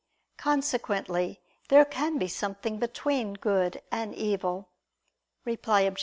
Consequently there can be something between good and evil. Reply Obj.